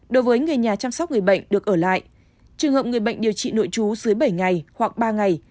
đối với người nhà chăm sóc người bệnh được ở lại trường hợp người bệnh điều trị nội trú dưới bảy ngày hoặc ba ngày